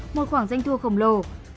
một khoảng danh thua khổng lồ